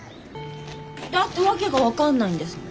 だって訳が分かんないんですもん。